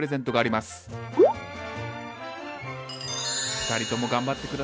２人とも頑張って下さい。